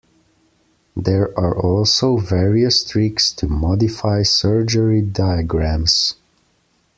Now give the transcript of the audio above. There are also various tricks to modify surgery diagrams.